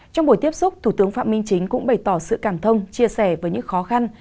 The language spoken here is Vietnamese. trong buổi tiếp xúc thủ tướng phạm minh chính cũng bày tỏ sự cảm thông chia sẻ với những khó khăn